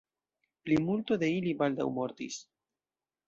Plimulto de ili baldaŭ mortis.